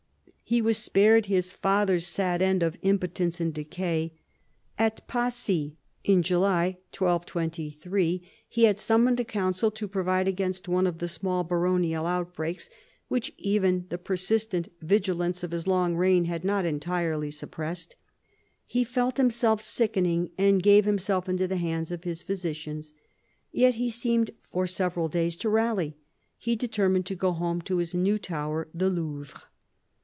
He was spared his father's sad end of impotence and decay. At Pacy, in July 1223, he had summoned a council to provide against one of the small baronial outbreaks which even the persistent vigilance of his long reign had not entirely suppressed. He felt himself sickening and gave himself into the hands of his physicians. Yet he seemed for several days to rally. He determined to go home to his new tower, the Louvre.